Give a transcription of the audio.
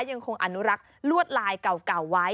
ยังคงอนุรักษ์ลวดลายเก่าไว้